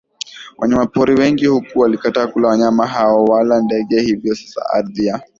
wanyama pori wengi huku wakikataa kula wanyama hao wala ndege Hivyo sasa ardhi ya